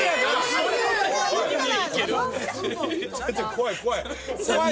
怖い怖い。